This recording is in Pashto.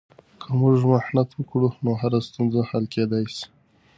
که موږ محنت وکړو، نو هره ستونزه حل کیدای سي.